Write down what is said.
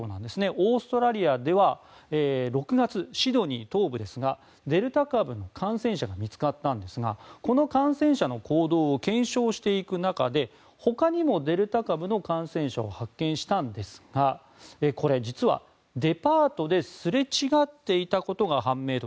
オーストラリアでは６月、シドニー東部ですがデルタ株の感染者が見つかったんですがこの感染者の行動を検証していく中でほかにもデルタ株の感染者を発見したんですがこれ、実はデパートですれ違っていたことが判明と。